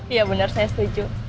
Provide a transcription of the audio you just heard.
iya bener saya setuju